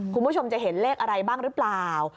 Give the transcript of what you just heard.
คุณผู้ชมจะเห็นเลขอะไรบ้างหรือเปล่า